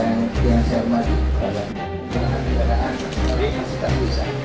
dan yang saya hormati pada perjalanan kejayaan dari masjid tadwisa